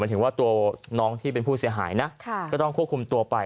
ถึงว่าตัวน้องที่เป็นผู้เสียหายนะก็ต้องควบคุมตัวไป